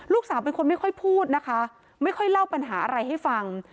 ลูกสาวเป็นคนไม่ค่อยพูดนะคะไม่ค่อยเล่าปัญหาอะไรให้ฟัง